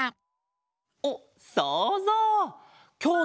おっそうぞう！